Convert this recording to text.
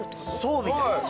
そうみたいです。